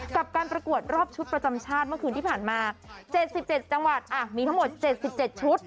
กับการประกวดรอบชุดประจำชาติเมื่อคืนที่ผ่านมา๗๗จังหวัดมีทั้งหมด๗๗ชุด